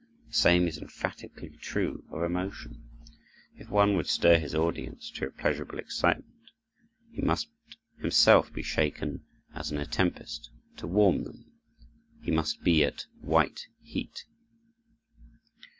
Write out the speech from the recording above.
The same is emphatically true of emotion. If one would stir his audience to a pleasurable excitement, he must himself be shaken as in a tempest; to warm them, he must be at white heat.